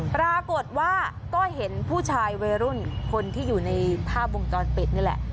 ปรากฏว่าก็เห็นผู้ชายวัยรุ่นคนที่อยู่ในภาพวงจรปิดนี่แหละ